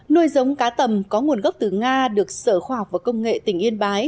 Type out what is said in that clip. nuôi giống cá tầm có nguồn gốc từ nga được sở khoa học và công nghệ tỉnh yên bái